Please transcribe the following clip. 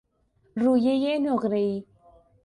رویهی نقرهای